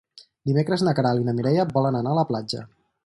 Dimecres na Queralt i na Mireia volen anar a la platja.